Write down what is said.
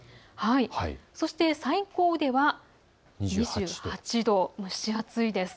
そして最高では２８度、蒸し暑いです。